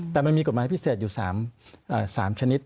แต่มันมีกฎหมายพิเศษอยู่๓ชนิด